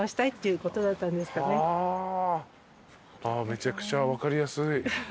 めちゃくちゃ分かりやすい。